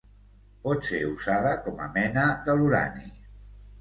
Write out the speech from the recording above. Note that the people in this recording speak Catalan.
Pot ser usada com a mena de l'urani.